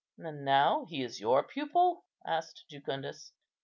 "And now he is your pupil?" asked Jucundus.